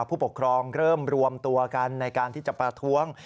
ผู้ปกครองเริ่มรวมตัวกันในการที่จะประท้วง